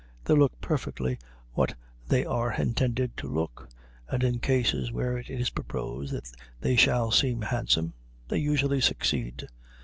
They look perfectly what they are intended to look, and in cases where it is proposed that they shall seem handsome, they usually succeed.